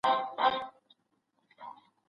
د درد پېټی دي را نیم کړه چي یې واخلم